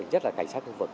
rất là cảnh sát khu vực